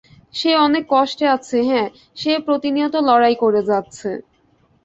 সে অনেক কষ্টে আছে হ্যা, সে প্রতিনিয়ত লড়াই করে যাচ্ছে।